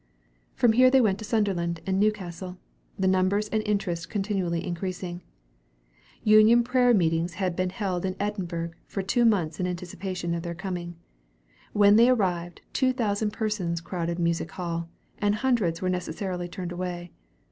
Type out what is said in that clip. From here they went to Sunderland and Newcastle, the numbers and interest constantly increasing. Union prayer meetings had been held in Edinburgh for two months in anticipation of their coming. When they arrived, two thousand persons crowded Music Hall, and hundreds were necessarily turned away.